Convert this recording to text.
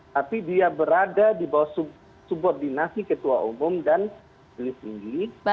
tapi dia berada di bawah subordinasi ketua umum dan juli tinggi